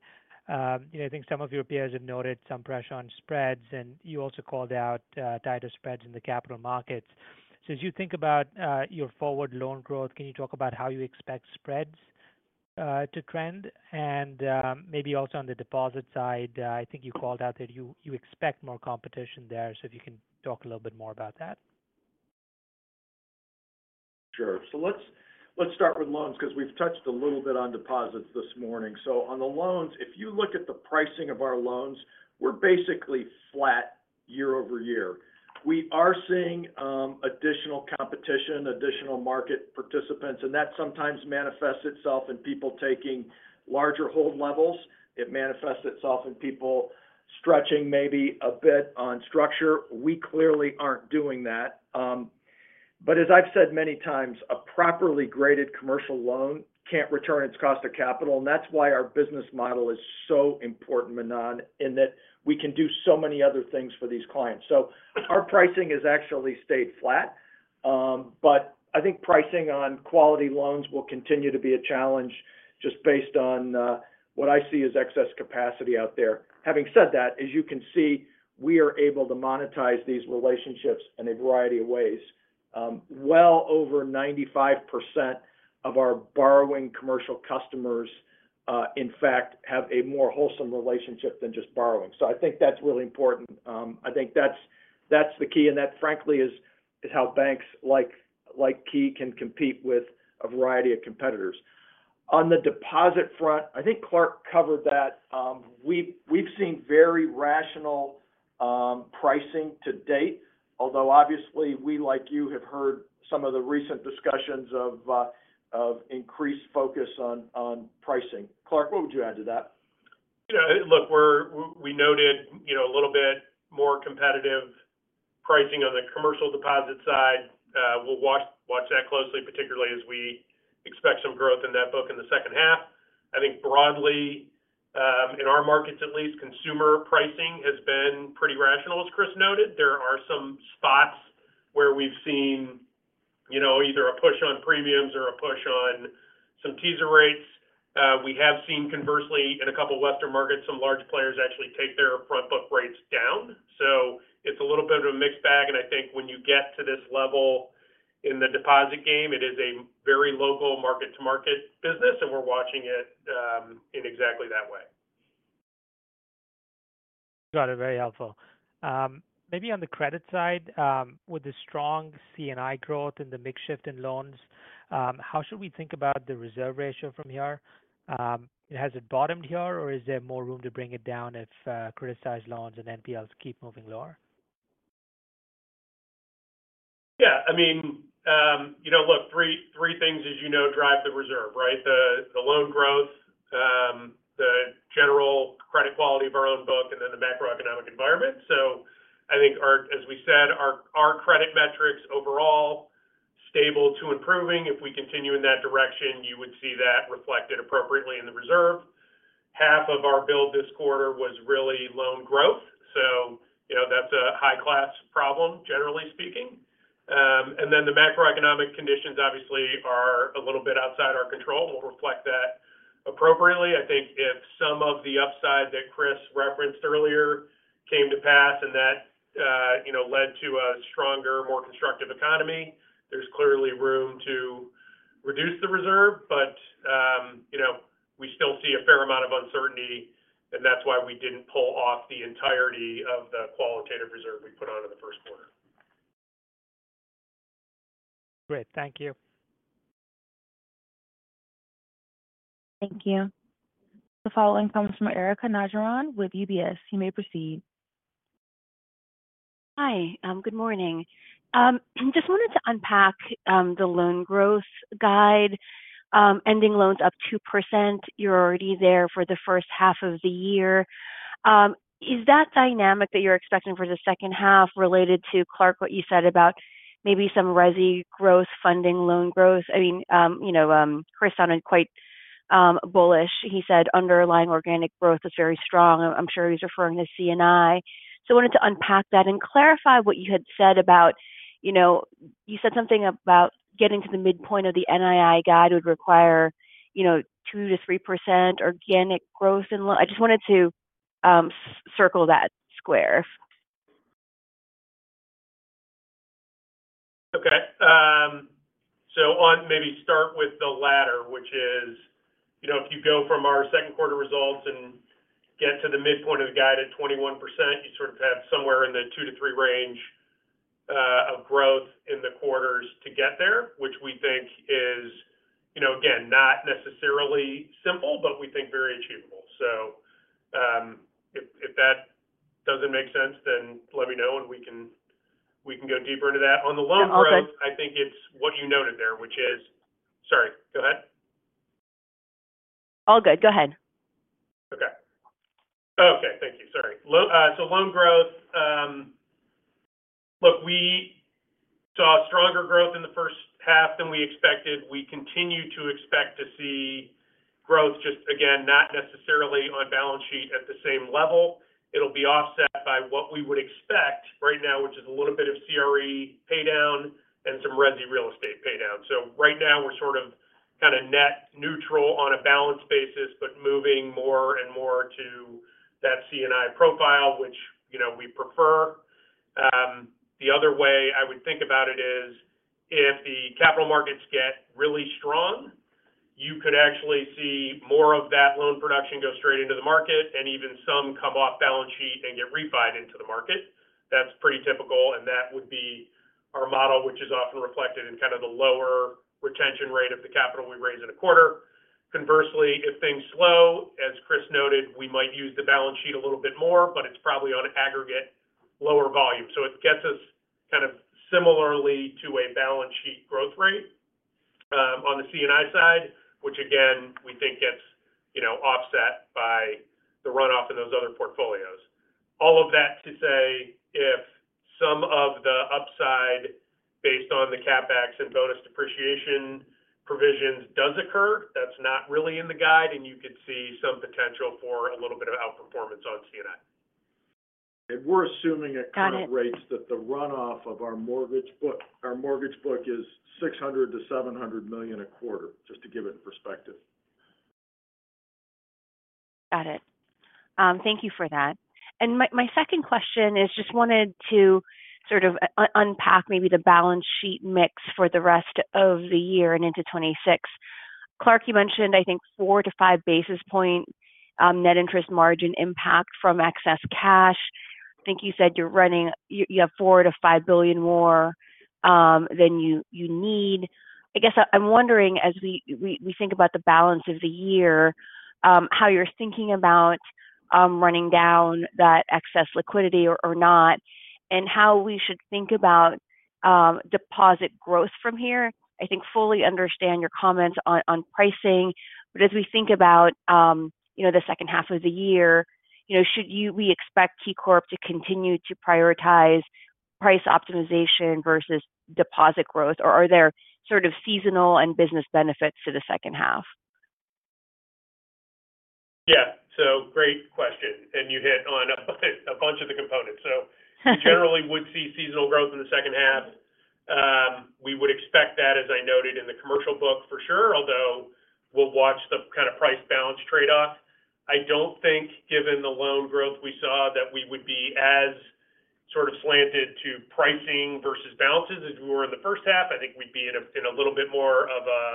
I think some of your peers have noted some pressure on spreads, and you also called out tighter spreads in the capital markets. As you think about your forward loan growth, can you talk about how you expect spreads to trend? Maybe also on the deposit side, I think you called out that you expect more competition there. If you can talk a little bit more about that. Sure. Let's start with loans because we've touched a little bit on deposits this morning. On the loans, if you look at the pricing of our loans, we're basically flat year-over-year. We are seeing additional competition, additional market participants, and that sometimes manifests itself in people taking larger hold levels. It manifests itself in people stretching maybe a bit on structure. We clearly aren't doing that. As I've said many times, a properly graded commercial loan can't return its cost of capital. That's why our business model is so important, Manan, in that we can do so many other things for these clients. Our pricing has actually stayed flat. I think pricing on quality loans will continue to be a challenge just based on what I see as excess capacity out there. Having said that, as you can see, we are able to monetize these relationships in a variety of ways. Well over 95% of our borrowing commercial customers, in fact, have a more wholesome relationship than just borrowing. I think that's really important. I think that's the key. That, frankly, is how banks like Key can compete with a variety of competitors. On the deposit front, I think Clark covered that. We've seen very rational pricing to date, although obviously, we, like you, have heard some of the recent discussions of increased focus on pricing. Clark, what would you add to that? Look, we noted a little bit more competitive pricing on the commercial deposit side. We'll watch that closely, particularly as we expect some growth in that book in the second half. I think broadly in our markets at least, consumer pricing has been pretty rational, as Chris noted. There are some spots where we've seen either a push on premiums or a push on some teaser rates. We have seen, conversely, in a couple of Western markets, some large players actually take their frontbook rates down. It's a little bit of a mixed bag. I think when you get to this level in the deposit game, it is a very local market-to-market business, and we're watching it in exactly that way. Got it. Very helpful. Maybe on the credit side, with the strong C&I growth in the mix shift in loans, how should we think about the reserve ratio from here? Has it bottomed here, or is there more room to bring it down if credit-sized loans and NPLs keep moving lower? Yeah. I mean. Look, three things, as you know, drive the reserve, right? The loan growth. The general credit quality of our own book, and then the macroeconomic environment. So I think, as we said, our credit metrics overall. Stable to improving. If we continue in that direction, you would see that reflected appropriately in the reserve. Half of our build this quarter was really loan growth. So that's a high-class problem, generally speaking. The macroeconomic conditions, obviously, are a little bit outside our control. We'll reflect that appropriately. I think if some of the upside that Chris referenced earlier came to pass and that led to a stronger, more constructive economy, there's clearly room to reduce the reserve. We still see a fair amount of uncertainty, and that's why we didn't pull off the entirety of the qualitative reserve we put on in the first quarter. Great. Thank you. Thank you. The following comes from Erika Najarian with UBS. You may proceed. Hi. Good morning. Just wanted to unpack the loan growth guide. Ending loans up 2%. You're already there for the first half of the year. Is that dynamic that you're expecting for the second half related to Clark, what you said about maybe some resi growth, funding loan growth? I mean, Chris sounded quite bullish. He said underlying organic growth is very strong. I'm sure he's referring to C&I. So I wanted to unpack that and clarify what you had said about, you said something about getting to the midpoint of the NII guide would require 2-3% organic growth in loans. I just wanted to circle that square. Okay. Maybe start with the latter, which is, if you go from our second quarter results and get to the midpoint of the guide at 21%, you sort of have somewhere in the 2-3 range of growth in the quarters to get there, which we think is, again, not necessarily simple, but we think very achievable. If that does not make sense, then let me know, and we can go deeper into that. On the loan growth, I think it is what you noted there, which is—sorry. Go ahead. All good. Go ahead. Okay. Thank you. Sorry. So loan growth. Look, we saw stronger growth in the first half than we expected. We continue to expect to see growth, just again, not necessarily on balance sheet at the same level. It'll be offset by what we would expect right now, which is a little bit of CRE paydown and some resi real estate paydown. Right now, we're sort of kind of net neutral on a balance basis, but moving more and more to that C&I profile, which we prefer. The other way I would think about it is if the capital markets get really strong, you could actually see more of that loan production go straight into the market and even some come off balance sheet and get refied into the market. That's pretty typical, and that would be our model, which is often reflected in kind of the lower retention rate of the capital we raise in a quarter. Conversely, if things slow, as Chris noted, we might use the balance sheet a little bit more, but it's probably on aggregate lower volume. It gets us kind of similarly to a balance sheet growth rate. On the C&I side, which again, we think gets offset by the runoff in those other portfolios. All of that to say if some of the upside based on the CapEx and bonus depreciation provisions does occur, that's not really in the guide, and you could see some potential for a little bit of outperformance on C&I. We're assuming at current rates that the runoff of our mortgage book is $600 million-$700 million a quarter, just to give it perspective. Got it. Thank you for that. My second question is just wanted to sort of unpack maybe the balance sheet mix for the rest of the year and into 2026. Clark, you mentioned, I think, four to five basis point net interest margin impact from excess cash. I think you said you have $4 billion-$5 billion more than you need. I guess I'm wondering, as we think about the balance of the year, how you're thinking about running down that excess liquidity or not, and how we should think about deposit growth from here. I think fully understand your comments on pricing. As we think about the second half of the year, should we expect KeyCorp to continue to prioritize price optimization versus deposit growth, or are there sort of seasonal and business benefits to the second half? Yeah. Great question. You hit on a bunch of the components. We generally would see seasonal growth in the second half. We would expect that, as I noted in the commercial book, for sure, although we'll watch the kind of price-balance trade-off. I don't think, given the loan growth we saw, that we would be as sort of slanted to pricing versus balances as we were in the first half. I think we'd be in a little bit more of a,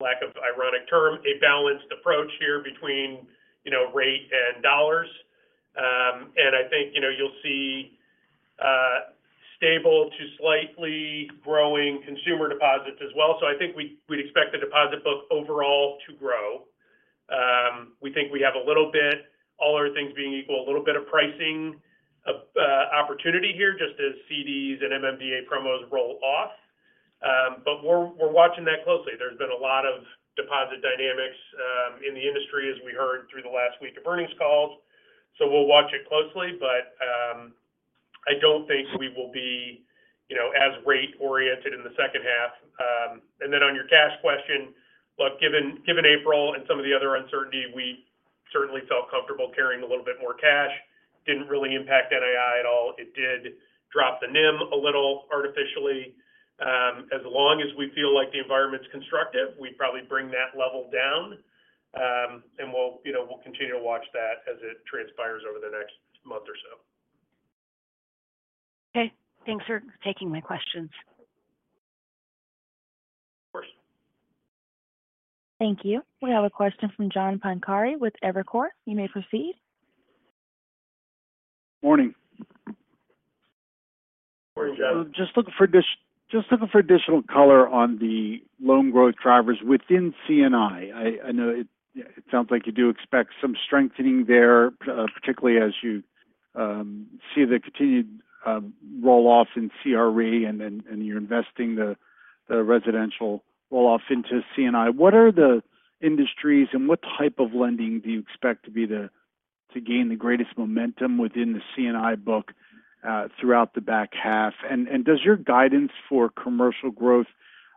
lack of an ironic term, a balanced approach here between rate and dollars. I think you'll see stable to slightly growing consumer deposits as well. I think we'd expect the deposit book overall to grow. We think we have a little bit, all other things being equal, a little bit of pricing opportunity here, just as CDs and MMDA promos roll off. We're watching that closely. There's been a lot of deposit dynamics in the industry, as we heard through the last week of earnings calls. We'll watch it closely. I don't think we will be as rate-oriented in the second half. On your cash question, look, given April and some of the other uncertainty, we certainly felt comfortable carrying a little bit more cash. Didn't really impact NII at all. It did drop the NIM a little artificially. As long as we feel like the environment's constructive, we'd probably bring that level down. We'll continue to watch that as it transpires over the next month or so. Okay. Thanks for taking my questions. Of course. Thank you. We have a question from John Pancari with Evercore. You may proceed. Morning. Morning, John. Just looking for additional color on the loan growth drivers within C&I. I know it sounds like you do expect some strengthening there, particularly as you see the continued roll-off in CRE, and then you're investing the residential roll-off into C&I. What are the industries, and what type of lending do you expect to gain the greatest momentum within the C&I book throughout the back half? Does your guidance for commercial growth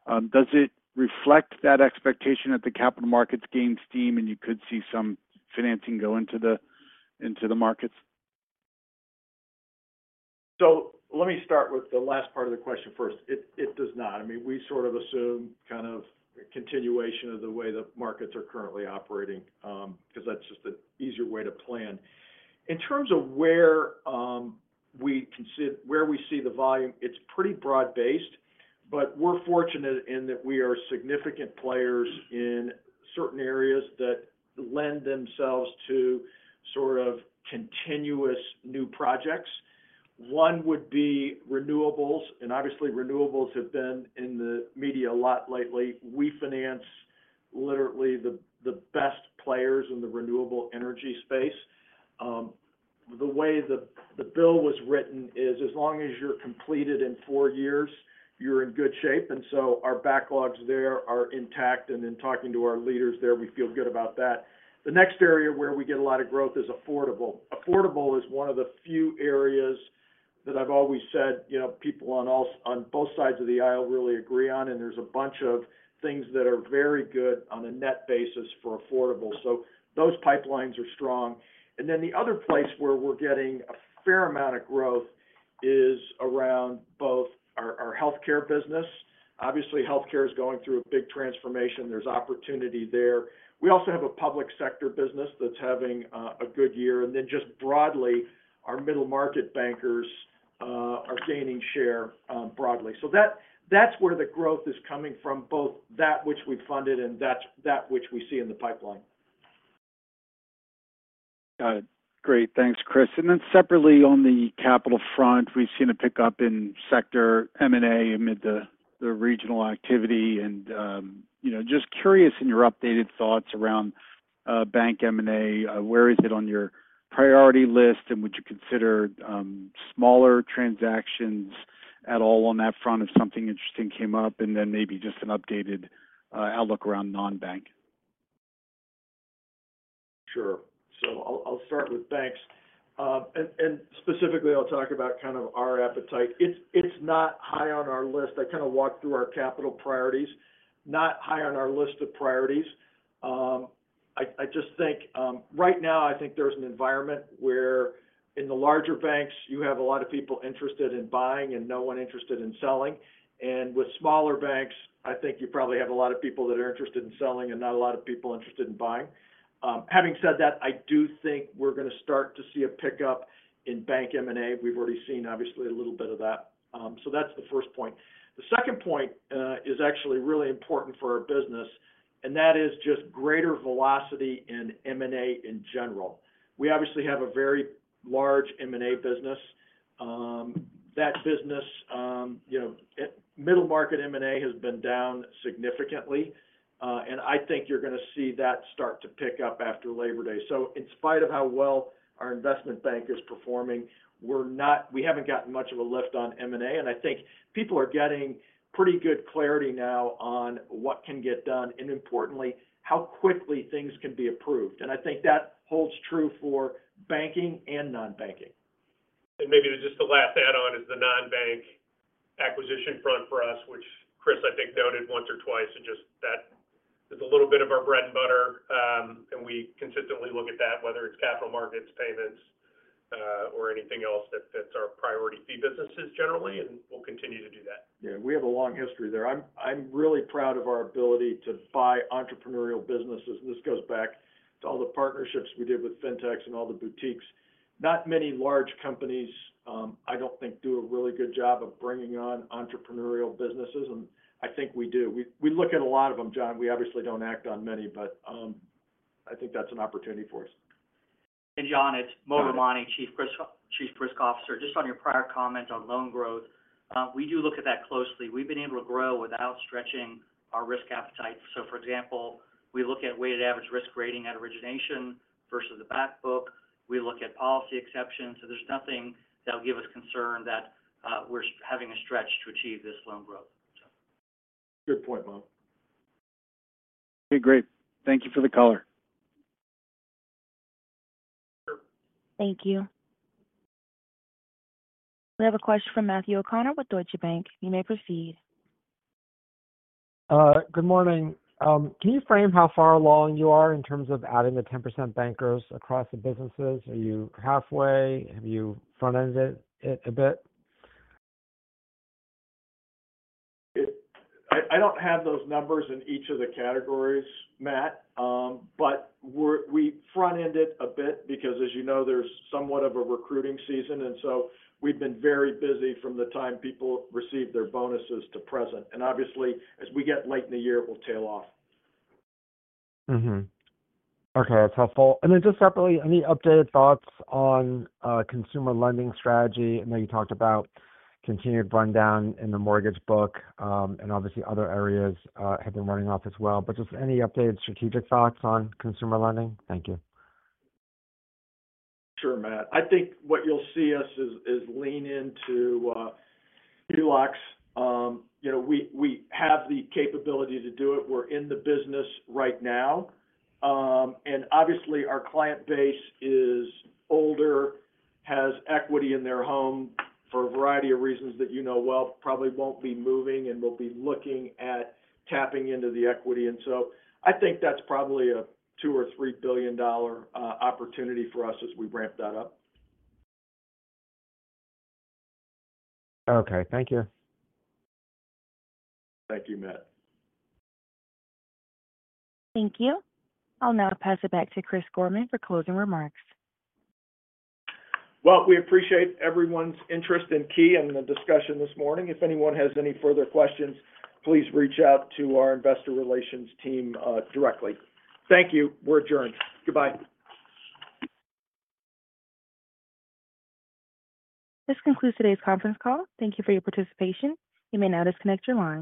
reflect that expectation that the capital markets gain steam, and you could see some financing go into the markets? Let me start with the last part of the question first. It does not. I mean, we sort of assume kind of continuation of the way the markets are currently operating because that's just an easier way to plan. In terms of where we see the volume, it's pretty broad-based. We are fortunate in that we are significant players in certain areas that lend themselves to sort of continuous new projects. One would be renewables. Obviously, renewables have been in the media a lot lately. We finance literally the best players in the renewable energy space. The way the bill was written is, as long as you're completed in four years, you're in good shape. Our backlogs there are intact. In talking to our leaders there, we feel good about that. The next area where we get a lot of growth is affordable. Affordable is one of the few areas that I've always said people on both sides of the aisle really agree on. There are a bunch of things that are very good on a net basis for affordable. Those pipelines are strong. The other place where we're getting a fair amount of growth is around both our healthcare business. Obviously, healthcare is going through a big transformation. There's opportunity there. We also have a public sector business that's having a good year. Broadly, our middle market bankers are gaining share broadly. That's where the growth is coming from, both that which we've funded and that which we see in the pipeline. Got it. Great. Thanks, Chris. Then separately, on the capital front, we've seen a pickup in sector M&A amid the regional activity. Just curious in your updated thoughts around bank M&A, where is it on your priority list? Would you consider smaller transactions at all on that front if something interesting came up, and then maybe just an updated outlook around non-bank? Sure. I'll start with banks. Specifically, I'll talk about kind of our appetite. It's not high on our list. I kind of walked through our capital priorities. Not high on our list of priorities. I just think right now, there's an environment where in the larger banks, you have a lot of people interested in buying and no one interested in selling. With smaller banks, I think you probably have a lot of people that are interested in selling and not a lot of people interested in buying. Having said that, I do think we're going to start to see a pickup in bank M&A. We've already seen, obviously, a little bit of that. That's the first point. The second point is actually really important for our business. That is just greater velocity in M&A in general. We obviously have a very large M&A business. That business, middle market M&A, has been down significantly. I think you're going to see that start to pick up after Labor Day. In spite of how well our investment bank is performing, we haven't gotten much of a lift on M&A. I think people are getting pretty good clarity now on what can get done and, importantly, how quickly things can be approved. I think that holds true for banking and non-banking. Maybe just to last add on is the non-bank acquisition front for us, which Chris, I think, noted once or twice. That is a little bit of our bread and butter. We consistently look at that, whether it's capital markets, payments, or anything else that fits our priority fee businesses generally. We'll continue to do that. We have a long history there. I'm really proud of our ability to buy entrepreneurial businesses. This goes back to all the partnerships we did with Fintechs and all the boutiques. Not many large companies, I don't think, do a really good job of bringing on entrepreneurial businesses. I think we do. We look at a lot of them, John. We obviously don't act on many, but I think that's an opportunity for us. John, it's Mo Ramani, Chief Risk Officer. Hi. Just on your prior comment on loan growth, we do look at that closely. We've been able to grow without stretching our risk appetite. For example, we look at weighted average risk rating at origination versus the back book. We look at policy exceptions. There's nothing that will give us concern that we're having a stretch to achieve this loan growth. Good point, Mo. Okay. Great. Thank you for the color. Thank you. We have a question from Matthew O'Connor with Deutsche Bank. You may proceed. Good morning. Can you frame how far along you are in terms of adding the 10% bankers across the businesses? Are you halfway? Have you front-ended it a bit? I don't have those numbers in each of the categories, Matt, but we front-ended a bit because, as you know, there's somewhat of a recruiting season. We've been very busy from the time people received their bonuses to present. Obviously, as we get late in the year, it will tail off. Okay. That's helpful. Then just separately, any updated thoughts on consumer lending strategy? I know you talked about continued rundown in the mortgage book and obviously other areas have been running off as well. Just any updated strategic thoughts on consumer lending? Thank you. Sure, Matt. I think what you'll see us is lean into HELOCs. We have the capability to do it. We're in the business right now. Obviously, our client base is older, has equity in their home for a variety of reasons that you know well, probably won't be moving, and will be looking at tapping into the equity. I think that's probably a $2 billion-$3 billion opportunity for us as we ramp that up. Okay. Thank you. Thank you, Matt. Thank you. I'll now pass it back to Chris Gorman for closing remarks. We appreciate everyone's interest in Key and the discussion this morning. If anyone has any further questions, please reach out to our investor relations team directly. Thank you. We're adjourned. Goodbye. This concludes today's conference call. Thank you for your participation. You may now disconnect your line.